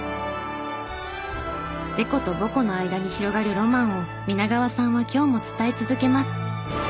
凸と凹の間に広がるロマンを皆川さんは今日も伝え続けます。